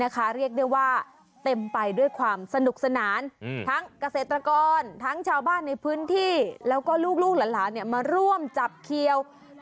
เกี่ยวเธอหน้าแม่เกี่ยว